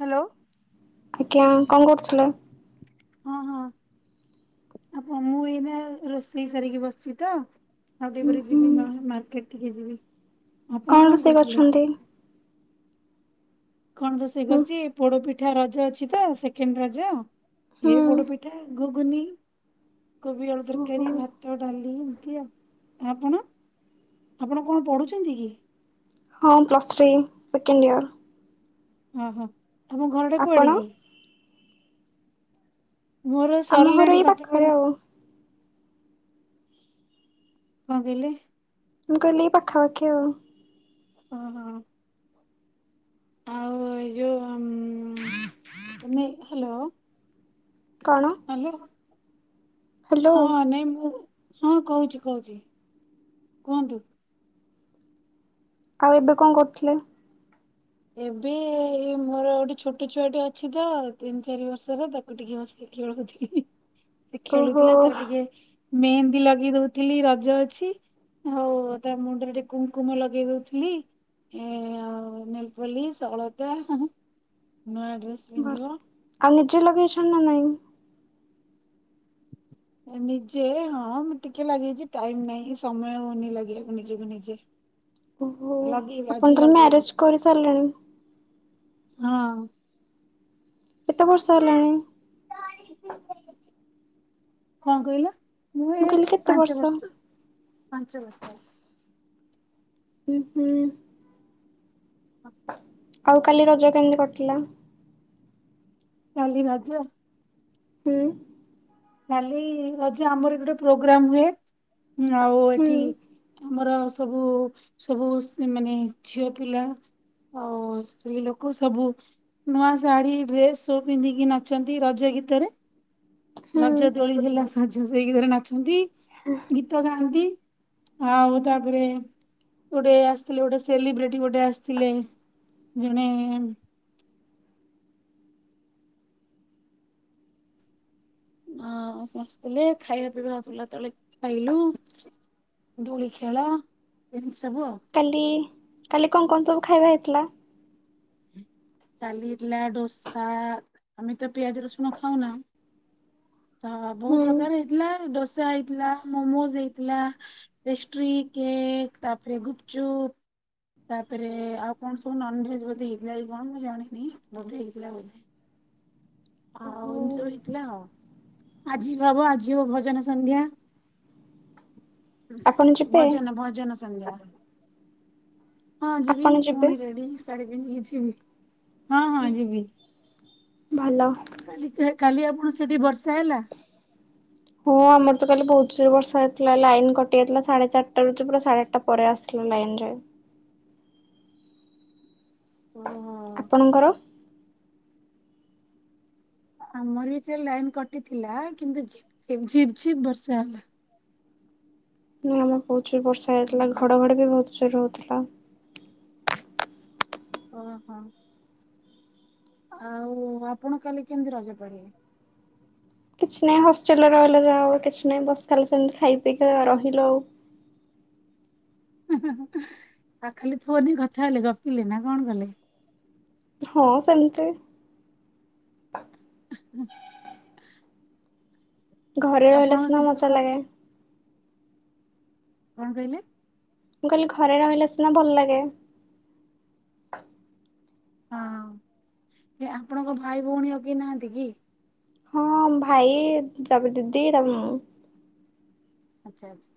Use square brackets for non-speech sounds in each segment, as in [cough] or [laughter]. Hello ଆଜ୍ଞା କଣ କରୁଥିଲେ। ହଁ ହଁ ଆପଣ ମୁଁ ଏଇନା ରୋଷେଇ ସାରିକି ବସିଛି ତ ଆଉ ଟିକେ ହୁଁ ପରେ ଯିବି ହୁଁ ମାର୍କେଟ ଟିକେ ଯିବି। ଆପଣ କଣ ରୋଷେଇ କରୁଥିଲେ? କରଛନ୍ତି। କଣ ରୋଷେଇ କରିଛି ପୋଡ ପିଠା ର ର ଅଛି ତ ସେକେଣ୍ଡ ରଜ ଏ ହୁଁ ପୋଡ଼ ପିଠା ଗ ଅୁନି କୋବି ଆଳୁ ଓହୋ ତରକାରୀ ଭାତ ଡାଲି ଆପଣ ଆପଣ କଣ ପଢୁଛନ୍ତି କି? ହଁ ପ୍ଲସ୍ ଥ୍ରୀ ସେକେଣ୍ଡ ଇୟର। ହଁ ହଁ। ତମ ଘର ଟା ଆପଣ? କୁଆଡେ କି? ମୋର ଆମ ଘର ସରିଲାଣି ଏଇ ପାଠ ପଢା ପାଖରେ ଆଉ। କଣ କହିଲେ? ମୁଁ କହିଲି ପାଖା ପାଖି ଆଉ। ଓ ହୋ। ଆଉ ଏ ଯୋଉ ତମେ ହ୍ୟାଲୋ କଣ? ହ୍ୟାଲୋ। ହ୍ୟାଲୋ ହଁ ନାଇଁ ମୁଁ ହଁ କହୁଛି କହୁଛି। କୁହନ୍ତୁ। ଆଉ ଏବେ କଣ କରୁଥିଲେ। ଏବେ ମୋର ଗୋଟେ ଛୋଟ ଛୁଆଟି ଅଛି ତ ତିନି ଚାରି ବର୍ଷର। ତାକୁ ଟିକେ ବସେଇକି ଖେଳଉଥିଲି। ସେ ଓହୋ ଖେଳୁଥିଲା ତାର ଟିକେ ମେହେନ୍ଦୀ ଲଗେଇ ଦଉଥିଲି ରଜ ଅଛି ଆଉ ତା ମୁଣ୍ଡରେ ଟିକେ କୁକୁମ ଲଗେଇ ଦଉଥିଲି। [inaudible] ନେଲ୍ପୋଲିସ ଅଳତା ନୂଆଡ୍ରେସ ଭଲ। ପିନ୍ଧିବ। ଆଉ ନିଜେ ଲଗେଇଛନ୍ତି ନା ନାହିଁ। ନିଜେ ହଁ ଟିକେ ଲାଗେଇଛି। ଟାଇମ ନାଇଁ ସମୟ ହଉନି ଲଗେଇକୁ ନିଜକୁ ନିଜେ ଓହୋ ଲଗେଇବି ଆଜି ଆପଣ ତ ଲଗେଇବି ମ୍ୟାରେଜ କରି ସାରିଲେଣି। ହଁ। କେତେ ବର୍ଷ ହେଲାଣି? କଣ କହିଲା? ମୁଁ ଏ ପାଞ୍ଚ ବର୍ଷ। ପାଞ୍ଚ ବର୍ଷ। ହୁଁ। ଆଉ କାଲି ରଜ କେମିତି କଟିଲା? କାଲି ରଜ। ହୁଁ। କାଲି ରଜ ଆମର ଗୋଟେ ପ୍ରୋଗ୍ରାମ ହୁଏ। ହୁଁ ହଉ ହୁଁ ଏଠି ଆମର ସବୁ ସବୁ ମାନେ ଝିଅ ପିଲା ଆଉ ସ୍ତ୍ରୀ ଲୋକ ସବୁ ନୂଆ ଶାଢ଼ୀ ଡ୍ରେସ୍ ସ ପିନ୍ଧିକି ନାଚନ୍ତି ରଜ ଗୀତରେ। ହୁଁ ରଜ ଦୋଳି ହେଲା ସ ସେଇ ଗୀତରେ ନାଚନ୍ତି। ଗୀତ ଗାଆନ୍ତି। ହଁ ହଉ ତାପରେ ଗୋଟେ ଆସିଥିଲେ ଗୋଟେ ସେଲିବ୍ରିଟୀ। ଗୋଟେ ଆସିଥିଲେ ଜଣେ ଆ ସମସ୍ତଥିଲେ ଖାଇବା ପିଇବା ଆଥିଲା ତଳେ ଖାଇଲୁ ଦୋଳି ଖେଳ ଏମି କାଲି କାଲି କଣ କଣ ସବୁ ଖାଇବା ହେଇଥିଲା? କାଲି ହେଇଥିଲା ଡୋସା ଆମେ ତ ପିଆଜ ରସୁନ ଖାଉ ନା। ହ ବହୁତ ହୁଁ। ପ୍ରକାର ହେଇଥିଲା ଡୋ ପି୍ଜା ହେଇଥିଲା ମୋମୋଜ ଇଥିଲା ପେଷ୍ଟ୍ରି କେକ୍ ତାପରେ ଗୁପଚୁପ ତାପରେ ଆଉ କଣ ସବୁ ନନଭେଜ ବୋଧେ ହେଇଥିଲା କି କଣ ମୁ ଜାଣିନି ବୋଧେ ହେଇଥିଲା ବୋଧେ। ଆଉ ଓହୋ ଉଞ୍ଚୁ ସବୁ ହେଇଥିଲା ଆଉ। ଆଜି ହବ ଆଜି ହବ ଭଜନ ସନ୍ଧ୍ୟା ଆପଣ ଯିବେ ଭଜନ ଭଜନ ସଂଧ୍ୟା ହଁ ଯିବି ଆପଣ ଯିବେ ପୁଣି ରେଡି ହେଇ ସାରି ଯିବି ହଁ ହଁ ଯିବି। ଭଲ। କାଲିଛ କାଲି ଆପଣ ସେଠି ବର୍ଷା ହେଲା। ହଁ ଆମର ତ କାଲି ବହୁତ ଜୋର ବର୍ଷା ହେଇଥିଲା ଲାଇନ କଟି ଯାଇଥିଲା ସାଢେ ଚାରିଟା ର ପୁରା ସାଢେ ଆଠଟା ପରେ ଆସିଥିଲା ଲାଇନ ରେ। ଓହୋ ଆପଣଙ୍କର। ଆମର ଏରେ ଲାଇନ କଟିଥିଲା କିନ୍ତୁ ଝିପ୍ ଝିପ୍ ବର୍ଷା ହେଲା। ହଁ ଆମର ପହୁ ଯୋଉ ବର୍ଷା ହେଇଥିଲା ହୁଁ ଘଡ଼ଘଡ଼ ବି ବହୁତ ଜୋର ହଉଥିଲା। ଓ ହଁ। ଆଉ ଆପଣ କାଲି କେମିତି ରଜ ପଢିବେ? କିଛି ନାହିଁ ହଷ୍ଟେଲ୍ ରେ ରହିଲେ ଯାହା ଆଉ କିଛ ନାଇଁ ବସ୍ ଖାଲି ସେମିତି ଖାଇ ପିଇକି [unintelligible] ରହିଲୁ। ଆ ଖାଲି ଫୋନ୍ ରେ କଥା ହେଲେ ଗପିଲେ ନା କଣ କଲେ? ହଁ ସେମିତି। ହୁଁ। ଘରେ ରହିଲେ ସିନା ମଜା ଲାଗେ। କଣ କହିଲେ? ମୁଁ କହିଲି ଘରେ ରହିଲେ ସିନା ଭଲ ଲାଗେ। ହଁ ଏ ଆପଣଙ୍କ ଭାଇ ଭଉଣୀ ଆଉ କେହି ନାହାଁନ୍ତି କି? ହଁ ଭାଇ ତାପରେ ଦିଦି ତାପରେ ମୁଁ। ଆଚ୍ଛା ଆଚ୍ଛା।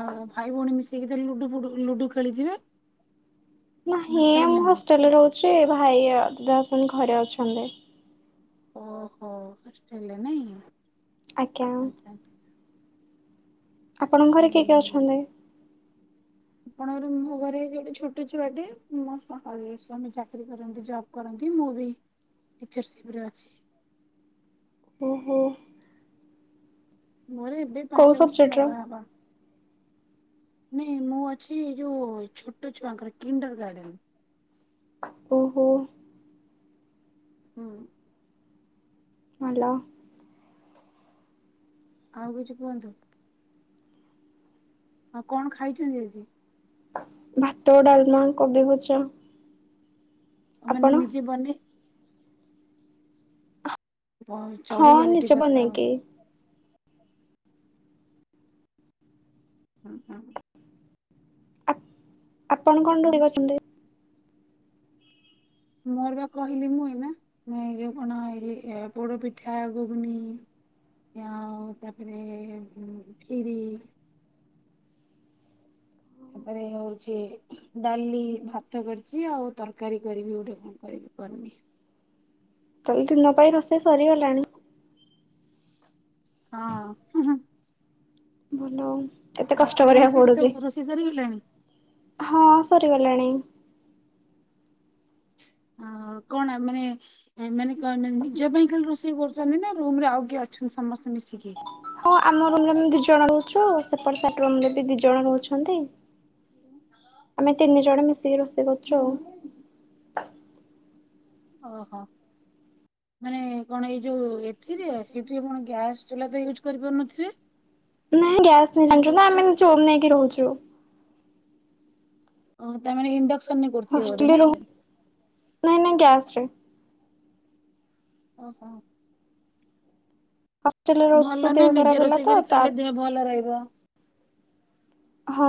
ଆଉ ଭାଇ ଭଉଣୀ ମିଶି [unintelligible] ଲୁଡୁ ଫୁଡୁ ଲୁଡୁ ଖେଳିଥିବେ? ନା ନାହିଁ ଏ ଖେଳି ମୁଁ ନାହାନ୍ତି ହଷ୍ଟେଲ୍ ରେ ରହୁଚୁ। ସେ ଭାଇ ଆ, ଦସନ ଘରେ ଅଛନ୍ତି। ଓହୋ ହଷ୍ଟେଲ୍ ରେ ନାଇଁ। ଆଜ୍ଞା। ଆଚ୍ଛା ଆଚ୍ଛା ଆପଣଙ୍କ ଘରେ କିଏ କିଏ ହୁଁ। ଅଛନ୍ତି? ଆପଣଙ୍କର ମୋ ଘରେ ଗୋଟେ ଛୋଟ ଛୁଆଟେ, ମୋ [unintelligible] ସ୍ୱାମୀ ଚାକିରୀ କରନ୍ତି ଜବ୍ କରନ୍ତି, ମୁଁ ବି ଟିଚରସିପ୍ ରେ ଅଛି। ଓହୋ। ମୋର ଏବେ କୋଉ ପାଞ୍ଚ ବର୍ଷ ସବଜେକ୍ଟର? ବାବା ହବା। ନାଇଁ ମୁଁ ଅଛି ଏ ଯୋଉ ଛୋଟ ଛୁଆଙ୍କର କିଣ୍ଡର୍ ଗାର୍ଡେନ। ଓହୋ। ହଁ। ହାଲୋ। ଆଉ କିଛି କୁହନ୍ତୁ। ଆଉ କଣ ଖାଇଛନ୍ତି ଆଜି? ଭାତ, ଡାଲମା, କୋବି ଭଜା ଆ ମାନେ ଆପଣ? ନିଜେ ବନେଇ ହଁ ବ-ଚଢି ଯାଉଚି ନିଜେ କଥା। ବନେଇକି। ହୁଁ, ହୁଁ, ଆପଣ କଣ ରୋଷେଇ କରିଚନ୍ତି? ମୋର ବା କହିଲି ମୁଁ ଏଇନା ଏଇ ଯୋଉ କଣ ଏ ଏ ପୋଡପିଠା, ଗୂଗୁନି ଆଉ ତାପରେ ଉଁ, ଖିରି ତାପରେ ହଉଚି ଡାଲି, ଭାତ କରିଚି, ଆଉ ତରକାରୀ କରିବି ଗୋଟେ କଣ କରିବି କରନି। ତାହେଲେ ଦିନ ପାଇଁ ରୋଷେଇ ସରିଗଲାଣି? ହଁ।। ଭଲ ଆଉ। ଏତେ ଆଉ କଷ୍ଟ ଆପଣଙ୍କ କରିବାକୁ ସେଇଠି ପଡୁଛି ସବୁ ରୋଷେଇ ସରିଗଲାଣି ହଁ ସରିଗଲାଣି। ଅ କଣ ମାନେ ମାନେ ନିଜ ପାଇଁ ଖାଲି ରୋଷେଇ କରୁଛନ୍ତି ନା ରୁମରେ ଆଉ କିଏ ଅଛନ୍ତି ସମସ୍ତେ ମିଶିକି। ହଁ ଆମ ରୁମରେ ଆମେ ଦି ଜଣ ରହୁଛୁ। ସେପଟେ ସାଇଟ୍ ରୁମରେ ବି ଦି ଜଣ ରହୁଛନ୍ତି। ଆମେ ତିନି ଜଣ ମିଶିକି ରୋଷେଇ କରୁଛୁ ଆଉ। ଓହୋ ମାନେ କଣ ଏଇ ଯୋଉ ଏଥିରେ ସେଠି କଣ ଗ୍ୟାସ ଚୁଲା ତ ୟୁଜ୍ କରିପାରୁନଥିବେ? ନାଇଁ ଗ୍ୟାସ ନେଇ ଜାଣିଛୁ ନା ଆମେ ନିଜେ ରୁମ୍ ନେଇକି ରହୁଛୁ। ଅଁ ତା ମାନେ ଇଣ୍ଡ ହଷ୍ଟେଲ ରହୁ ନାଇଁ ନାଁ ଗ୍ୟାସ ଚି। ଓହୋ। ହଷ୍ଟେଲରେ ରହୁଥିଲୁ ଭଲ ନାଁ ଦେହ ଖରାପ ନିଜେ ହେଲା ରୋଷେଇ ତ କରି ତା ଖାଇଲେ ଦେହ ଭଲ ରହିବ। ହଁ।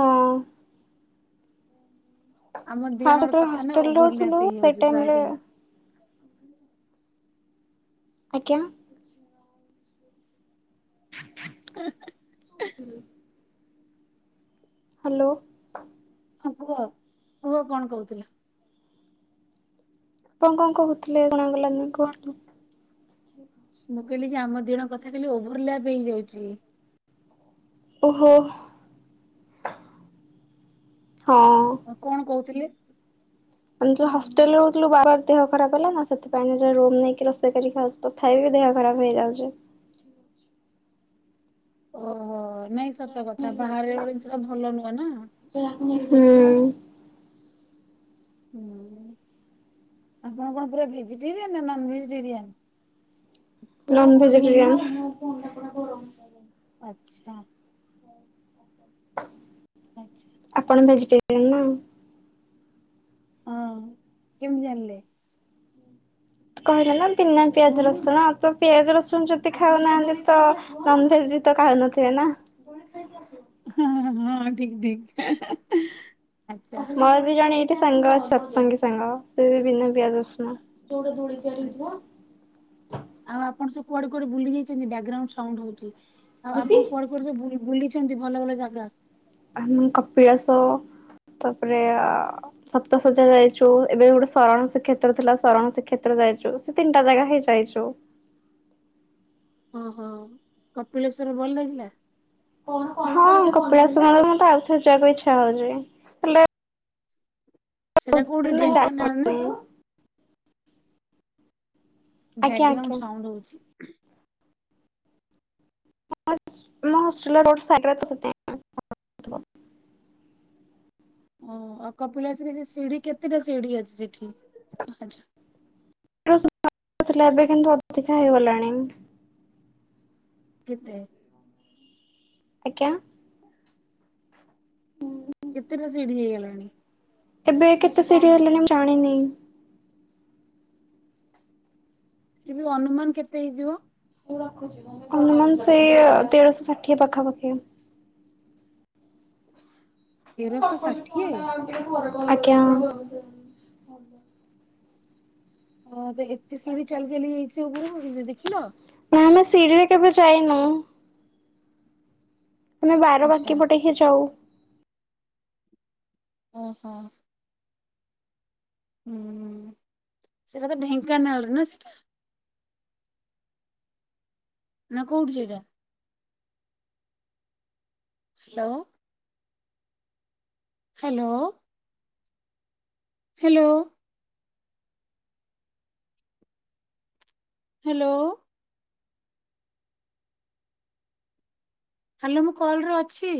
ଆମ ଦି ଫାଷ୍ଟ ଜଣଙ୍କର ଯେତେବେଳେ କଥା ନାଁ ହଷ୍ଟେଲରେ ଓଭର ରହୁଥିଲୁ ଲ୍ୟାପ ସେଇ ହେଇଯାଉଚି ପ୍ରୟ ଟାଇମରେ ଟାଇମ୍। ଆଜ୍ଞା। ଶୋଇଥିଲି। ହାଲୋ। ହଁ କୁହ କୁହ କଣ କହୁଥିଲ? କଁ କଁ କୋହୁଥୁଲେ ଜଣା ଗଲାନି କଣ? ମୁଁ କହିଲି ଯେ ଆମ ଦିଣଙ୍କ କଥା ଖାଲି ଓଭର ଲାପ ହେଇଯାଉଚି। ଓହୋ। ଆଉ କଣ କହୁଥିଲେ? ଆମେ ଯୋଉ ହେଷ୍ଟେଲରେ ରହୁଥିଲୁ ବାର ଆର ଦେହ ଖରାପ ହେଲା ନାଁ ସେଥିପାଇଁ ନିଜର ରୁମ ନେଇକି ରୋଷେଇ କରି ଖାଉଚୁ ତଥାପି ବି ଦେହ ଖରାପ ହେଇଯାଉଚି। ଓହୋ। ନାଇଁ ସତ କଥା ବାହାରେ ଗୋଟେ ଜିନିଷଟା ଭଲ ନୁହଁ ନା। ହୁଁ। ହୁଁ ଆପଣ କଣ ପୁରା ଭେଜିଟେରିଆନ ନାଁ ନନଭେଜିଟେରିଆନ୍? ନନଭେଜିଟେରିଆନ୍। ଆଚ୍ଛା। ଆଚ୍ଛା [inaudible] ଆପଣ ଭେଜିଟେରିୟାନ ନାଁ। ହଁ କେମତି ଜାଣିଲେ? କହିଲେ ନା ପନା ପିଆଜ ରସୁଣ ଆଉ ତ ପିଆଜ ରସୁଣ ଯଦି ଖାଉନାହାନ୍ତି ତ ନନଭେଜ ବି ତ ଖାଉନଥିବେ ନା। ହଁ ଠିକ୍ ଠିକ୍। ମୋର ବି ଜଣେ ଟେ ସାଙ୍ଗ ଅଛି ସତ୍ସଙ୍ଗୀ ସାଙ୍ଗ ସେ ବି ବିନା ପିଆଜ ରସୁଣ। ଯୋଉଟା ଦୋଳି ଆଚ୍ଛା। ତିଆରିହେଇଥିବ। କୁଆଡ଼େ କୁଆଡ଼େ ବୁଲି ଯାଇଚନ୍ତି ବ୍ୟାଗ୍ରାଉଣ୍ଡ ସାଉଣ୍ଡ ହୋଉଚି। ଆଉ ଆପଣ କୁଆଡ଼େ କୁଆଡ଼େ ସବୁ ବୁଲି ବୁଲି ସେନ୍ତି ଭଲ ଭଲ ଜାଗା। ଆମେ କପିଳାସ ତାପରେ ଅ ସପ୍ତସଜ୍ୟା ଯାଇଚୁ ଏବେ ଗୋଟେ ଶରଣ ଶ୍ରୀକ୍ଷେତ୍ର ଥିଲା ଶରଣ ଶ୍ରୀକ୍ଷେତ୍ର ଯାଇଚୁ ସେ ତିନିଟା ଜାଗା ହିଁ ଯାଇଚୁ। ଓହୋ କପିଳେଶ୍ଵର ଭଲ ଲାଗିଲା। ହଁ କପିଳାସ ମତେ ମୁଁ ତ ଆଉ ଥରେ ଯିବାକୁ ଇଚ୍ଛା ହୋଉଚି। ହେଲେ ସେଟା କୋଉଠି ଢେଙ୍କାନାଳ ନାଁ? ଆଜ୍ଞା ଆଜ୍ଞା ବ୍ୟାଗ୍ରାଉଣ୍ଡ ସାଉଣ୍ଡ ହୋଉଚି। [inaudible] [unintelligible] ଓ ଆଉ କପିଳାଶିର ସିଢି କେତେଟା ଶିଢି ଅଛି? ସେଠି ଆଛା। ଥିଲା ଏବେ କିନ୍ତୁ ଅଧିକା ହେଇଗଲାଣି।। କେତେ? ଆଜ୍ଞା। କେତେଟା ସିଢି ହେଇଗଲାଣି? ଏବେ କେତେ ସିଢି ହେଲେଣି ମୁଁ ଜାଣିନି।। ଅନୁମାନ କେତେ ହେଇଥିବ? ଅନୁମାନ ସେଇ ତେରଶହ ଷାଠିଏ ପାଖାପାଖି।। ତେରଶହ ଷାଠିଏ? ଆଜ୍ଞା। ହଁ ହଁ ହଁ। ଏତେ ସିଢି ଚାଲି ଚାଲି ଯାଇଛି ଉପରକୁ ଦେଖିଲ ନା ଆମେ ସିଡିିରେ କେବେ ଯାଇନୁ? ଆମେ ବାର ଆଚ୍ଛା ବାକି ପଟେହିଁ ଯାଉ ଓ ହୋ। ହୁଁ ସେଟା ତ ଢେଙ୍କାନାଳ ନା ସେଟା ନା କୋଉଠି ସେଟା? Hello. Hello. Hello. Hello. Hello ମୁଁ କଲରେ ଅଛି।